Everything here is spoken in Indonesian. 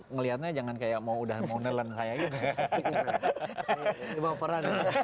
ngelihatnya jangan kayak mau nelen saya